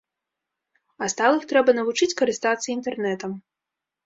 А сталых трэба навучыць карыстацца інтэрнэтам.